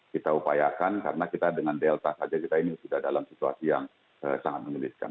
kita upayakan karena kita dengan delta saja kita ini sudah dalam situasi yang sangat menuliskan